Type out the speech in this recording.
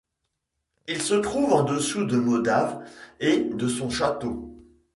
Il se trouve en dessous de Modave et de son château.